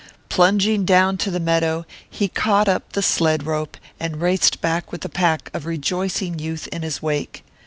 Plunging down to the meadow he caught up the sled rope, and raced back with the pack of rejoicing youth in his wake.